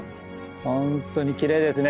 本当にきれいですね。